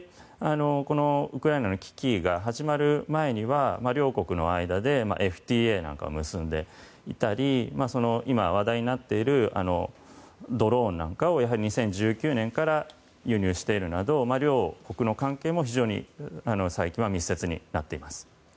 ウクライナの危機が始まる前には両国の間でＦＴＡを結んでいたり今、話題になっているドローンなんかを２０１９年から輸入しているなど両国の関係も非常に最近は密接になっています。